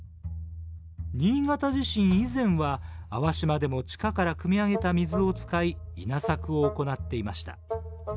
新潟地震以前は粟島でも地下からくみ上げた水を使い稲作を行っていました。